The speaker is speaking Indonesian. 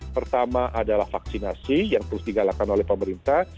pertama adalah vaksinasi yang terus digalakan oleh pemerintah